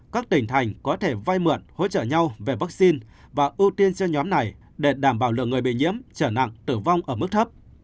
các tỉnh thành có thể vai mượn hỗ trợ nhau về vaccine và ưu tiên cho nhóm này để đảm bảo lượng người bị nhiễm trở nặng tử vong ở mức thấp